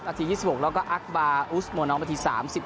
ที๒๖แล้วก็อักบาร์อุสโมนอลนาที๓๑